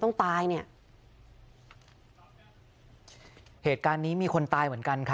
ต้องตายเนี่ย